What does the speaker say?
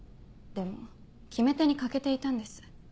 でも決め手に欠けていたんです。